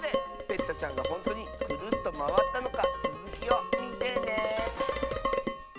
ペッタちゃんがほんとにクルッとまわったのかつづきをみてね。